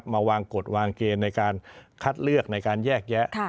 มาวางกฎวางเกณฑ์ในการคัดเลือกในการแยกแยะ